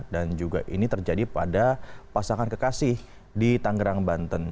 dan juga ini terjadi pada pasangan kekasih di tangerang banten